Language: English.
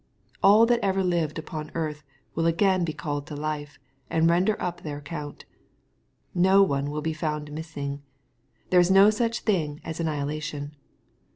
All that have ever lived upoi^earth will again be called to life, and render up their account. Not one will be found missing. There is no such thing as annihilation.